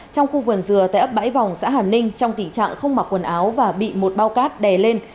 trong khu vườn dừa tại ấp bãi vòng xã hàm ninh trong tình trạng không mặc quần áo và bị một bao cát đè lên